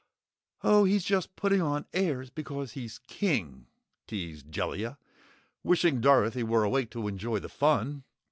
"Oh, he's just putting on airs because he's King," teased Jellia, wishing Dorothy were awake to enjoy the fun.